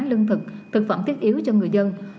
lương thực thực phẩm thiết yếu cho người dân